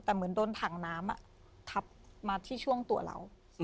แต่เหมือนโดนถังน้ำทับมาที่ช่วงตัวเรา